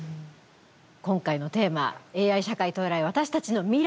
今回のテーマ「ＡＩ社会到来私たちの未来は？」。